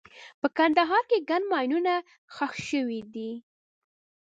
په کندهار کې ګڼ ماینونه ښخ شوي دي.